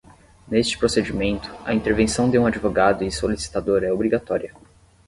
Neste procedimento, a intervenção de um advogado e solicitador é obrigatória.